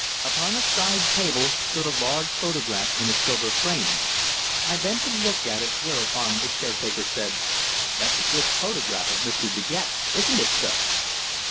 Upon a side table stood a large photograph in a silver frame. I bent to look at it, whereupon the caretaker said: "That's a good photograph of Mr. De Gex, isn't it, sir?"